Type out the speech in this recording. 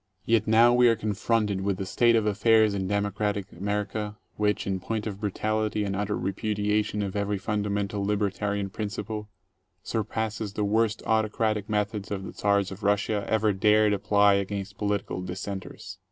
Yet now we are confronted with a state of affairs in democratic America which, in point of brutality and utter repudiation of every fundamental libertarian principle* surpasses the worst autocratic methods the Czars of Russia ever dared apply against political dissenters.